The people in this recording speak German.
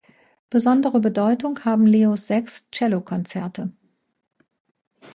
Besondere Bedeutung haben Leos sechs Cellokonzerte.